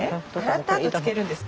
洗ったあとつけるんですか？